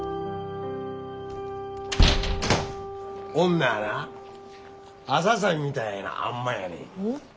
女はなアサさんみたいなあん摩やねん。